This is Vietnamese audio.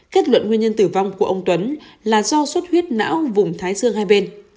kết luận nguyên nhân tử vong của ông tuấn là do suất huyết não vùng thái dương hai bên